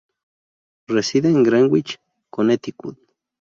Reside en Greenwich, Connecticut.